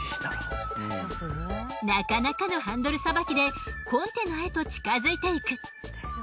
なかなかのハンドルさばきでコンテナへと近づいていく。